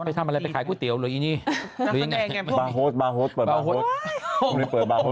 ไปทำอะไรไปขายก๋วยเตี๋ยวหรืออีนี่ไง